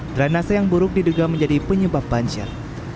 drainase yang buruk diduga menjadi penyebab banjir